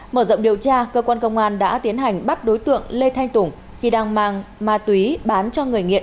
mở rộng điều tra cơ quan công an đã tiến hành bắt đối tượng lê thanh tùng khi đang mang ma túy bán cho người nghiện